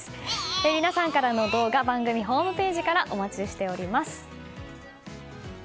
皆さんからの動画番組ホームページからお待ちしております。